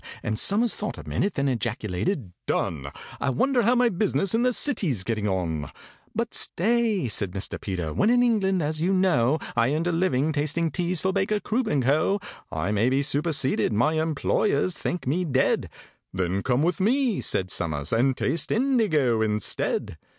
And SOMERS thought a minute, then ejaculated, "Done! I wonder how my business in the City's getting on?" "But stay," said Mr. PETER: "when in England, as you know, I earned a living tasting teas for BAKER, CROOP, AND CO., I may be superseded—my employers think me dead!" "Then come with me," said SOMERS, "and taste indigo instead."